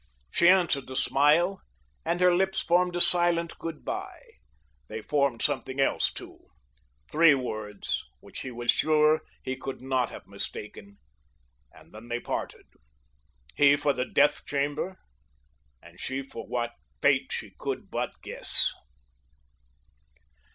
She answered the smile and her lips formed a silent "good bye." They formed something else, too—three words which he was sure he could not have mistaken, and then they parted, he for the death chamber and she for what fate she could but guess.